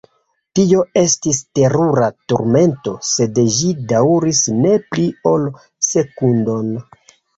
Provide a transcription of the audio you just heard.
Tio estis terura turmento, sed ĝi daŭris ne pli ol sekundon.